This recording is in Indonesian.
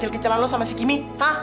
kecil kecilan lo sama si kimi